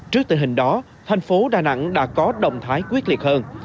trước tình hình đó thành phố đà nẵng đã có động thái quyết liệt hơn